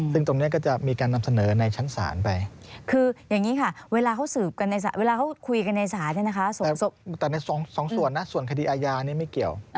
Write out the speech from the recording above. แต่ในสองส่วนนะส่วนคดีอายานี่ไม่เกี่ยว